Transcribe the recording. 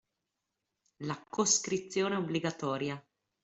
La coscrizione obbligatoria